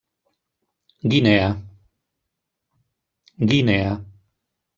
Guinea.